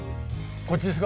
こっちですか？